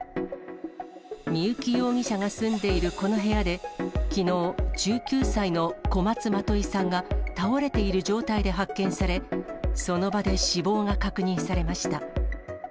三幸容疑者が住んでいるこの部屋で、きのう、１９歳の小松まといさんが、倒れている状態で発見され、その場で死亡が確認されました。